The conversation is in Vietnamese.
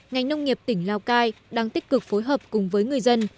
ngành nông nghiệp tỉnh lào cai đang tích cực phối hợp cùng với người dân